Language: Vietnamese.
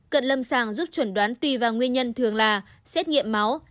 cận lâm sàng giúp chuẩn đoán tùy vào nguyên nhân thường là xét nghiệm máu